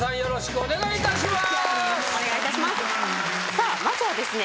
さあまずはですね